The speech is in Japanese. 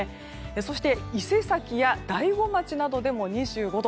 そして伊勢崎や大子町などでも２５度。